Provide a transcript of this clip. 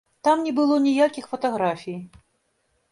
Там не было ніякіх фатаграфій.